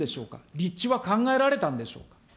立地は考えられたんでしょうか。